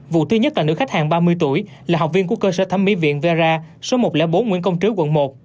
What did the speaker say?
vụ thứ nhất là nữ khách hàng ba mươi tuổi là học viên của cơ sở thẩm mỹ viện vea số một trăm linh bốn nguyễn công trứ quận một